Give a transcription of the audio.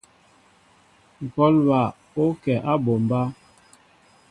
Ŋkɔl bal ó kɛ á mɓombá.